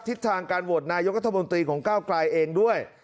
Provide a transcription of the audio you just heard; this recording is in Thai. ทิศทางการโหวตนายกัธมนตรีของก้าวกลายเองด้วย